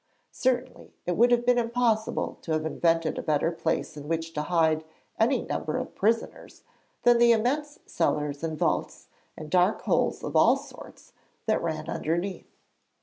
Certainly it would have been impossible to have invented a better place in which to hide any number of prisoners than the immense cellars and vaults and dark holes of all sorts, that ran underneath.